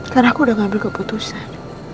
karena aku udah ngambil keputusan